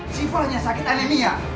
sifahnya sakit anemia